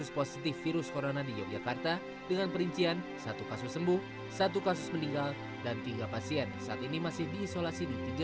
kasus positif virus corona di yogyakarta dengan perincian satu kasus sembuh satu kasus meninggal dan tiga pasien saat ini masih diisolasi di tiga